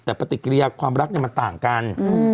แต่ปฏิกิริยาความรักมันต่างกัน